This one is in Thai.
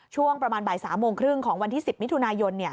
ช่วงประมาณบ่าย๓โมงครึ่งของวันที่๑๐มิถุนายน